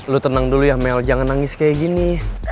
lo tenang dulu ya mel jangan nangis kayak gini